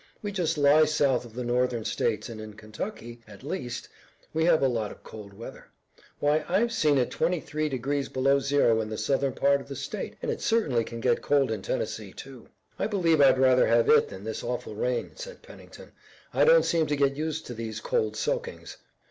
We just lie south of the northern states and in Kentucky, at least, we have a lot of cold weather. Why, I've seen it twenty three degrees below zero in the southern part of the state, and it certainly can get cold in Tennessee, too." "I believe I'd rather have it than this awful rain," said Pennington. "I don't seem to get used to these cold soakings."